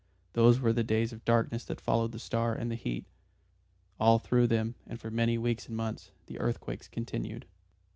Those were the days of darkness that followed the star and the heat. All through them, and for many weeks and months, the earthquakes continued.